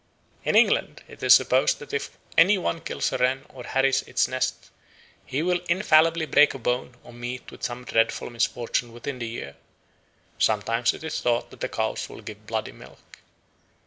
In England it is supposed that if any one kills a wren or harries its nest, he will infallibly break a bone or meet with some dreadful misfortune within the year; sometimes it is thought that the cows will give bloody milk.